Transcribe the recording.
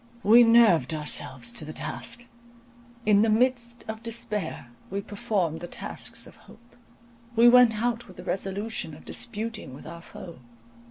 We nerved ourselves to the task: "in the midst of despair we performed the tasks of hope." We went out with the resolution of disputing with our foe.